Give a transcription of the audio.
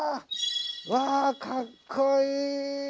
わあかっこいい！